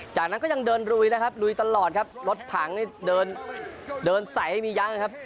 จากนั้นก็ยังเดินลุยนะครับลุยตลอดครับรถถังนี่เดินเดินใสมียังครับ